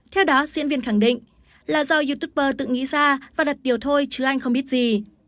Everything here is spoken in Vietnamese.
theo đó diễn viên khẳng định là do youtuber tự nghĩ ra và đặt tiểu thôi chứ anh không biết gì